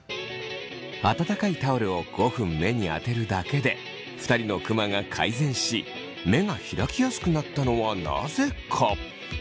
温かいタオルを５分目にあてるだけで２人のクマが改善し目が開きやすくなったのはなぜか。